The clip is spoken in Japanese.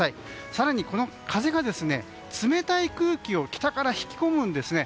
更に、この風が冷たい空気を北から引き込むんですね。